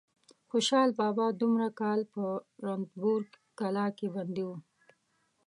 خوشحال بابا دومره کاله په رنتبور کلا کې بندي و.